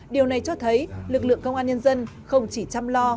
điều này cho thấy lực lượng công an nhân dân không chỉ chăm lo